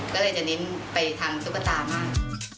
ก็เลยจะเน้นไปทางตุ๊กตาบ้าง